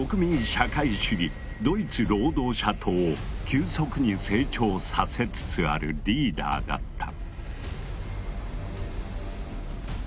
社会主義ドイツ労働者党を急速に成長させつつあるリーダーだった。